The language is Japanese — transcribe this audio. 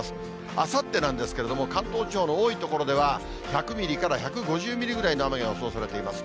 あさってなんですけれども、関東地方の多い所では、１００ミリから１５０ミリぐらいの雨が予想されています。